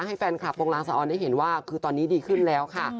ให้แฟนคลับวงลางสะออนได้เห็นว่าคือตอนนี้ดีขึ้นแล้วค่ะ